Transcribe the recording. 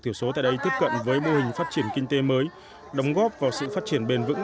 thiểu số tại đây tiếp cận với mô hình phát triển kinh tế mới đóng góp vào sự phát triển bền vững